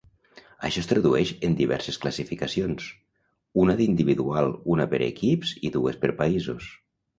Això es tradueix en diverses classificacions: una d'individual, una per equips i dues per països.